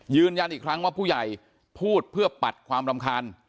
ยืนยันอีกครั้งว่าผู้ใหญ่พูดเพื่อปัดความรำคาญ